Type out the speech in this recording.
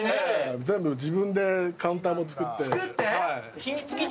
全部自分でカウンターも作って。